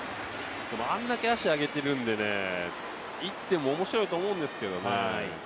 でも、あんだけ足上げてるんで、いっても面白いと思うんですけどね。